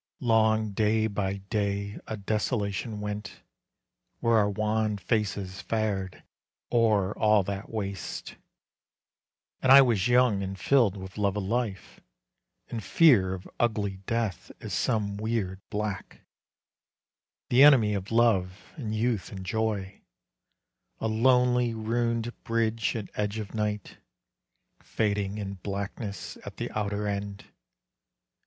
Long day by day a desolation went Where our wan faces fared, o'er all that waste; And I was young and filled with love of life, And fear of ugly death as some weird black, The enemy of love and youth and joy; A lonely, ruined bridge at edge of night, Fading in blackness at the outer end.